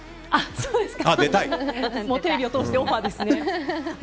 テレビを通してオファーですね。